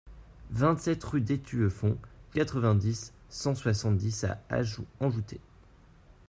vingt-sept rue d'Étueffont, quatre-vingt-dix, cent soixante-dix à Anjoutey